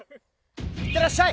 いってらっしゃい！